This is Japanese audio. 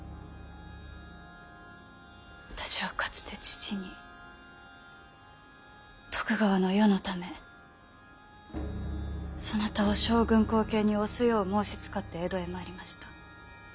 私はかつて父に徳川の世のためそなたを将軍後継に推すよう申しつかって江戸へ参りました。